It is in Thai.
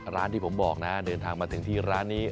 ร้านที่ผมบอกนะเดินทางมาถึงที่ร้านนี้